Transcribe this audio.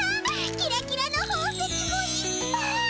キラキラのほう石もいっぱい！